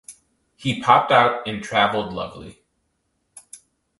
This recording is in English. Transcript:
He popped out and travelled lovely.